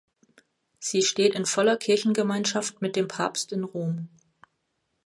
Sie steht in voller Kirchengemeinschaft mit dem Papst in Rom.